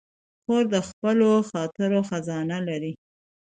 خور د خپلو خاطرو خزانه لري.